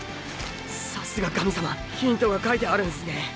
さすが神様ヒントが書いてあるんすね！